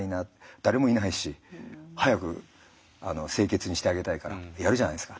誰もいないし早く清潔にしてあげたいからやるじゃないですか。